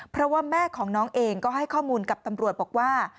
เพราะว่าแม่ของน้องเองก็ให้ข้อมูลกับตำรวจบอกว่า